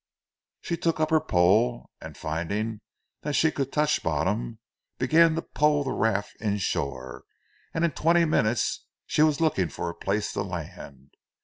She took up her pole and finding that she could touch bottom, began to pole the raft inshore, and in twenty minutes she was looking for a place to land.